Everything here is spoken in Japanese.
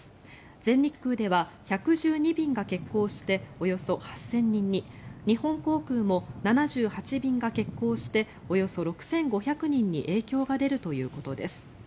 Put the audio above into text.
全日空では１１２便が欠航しておよそ８０００人に日本航空も７８便が欠航しておよそ６５００人に影響が出るということです。